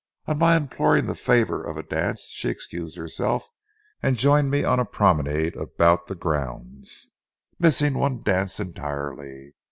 On my imploring the favor of a dance, she excused herself, and joined me on a promenade about the grounds, missing one dance entirely.